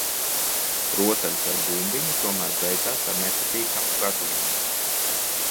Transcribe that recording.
Rotaļas ar bumbiņu tomēr beidzās ar nepatīkamu gadījumu.